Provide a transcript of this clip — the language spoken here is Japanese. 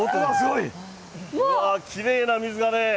いやー、きれいな水がね。